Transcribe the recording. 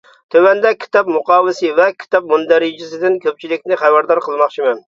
تۆۋەندە كىتاب مۇقاۋىسى ۋە كىتاب مۇندەرىجىسىدىن كۆپچىلىكنى خەۋەردار قىلماقچىمەن.